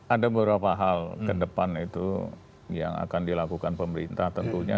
ada beberapa hal ke depan itu yang akan dilakukan pemerintah tentunya